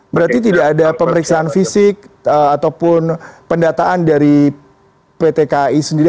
berarti tidak ada pemeriksaan fisik ataupun pendataan dari pt kai sendiri